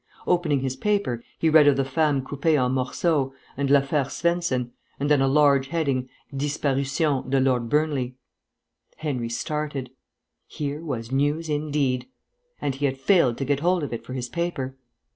Opening his paper, he read of "Femme coupée en morceaux" and "L'Affaire Svensen," and then a large heading, "Disparition de Lord Burnley." Henry started. Here was news indeed. And he had failed to get hold of it for his paper.